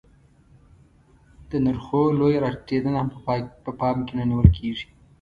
د نرخو لویه راټیټېدنه هم په پام کې نه نیول کېږي